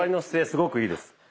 すごくいいです。